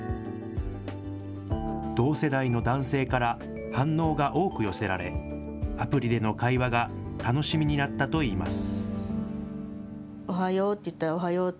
同世代の男性から反応が多く寄せられ、アプリでの会話が楽しみになったといいます。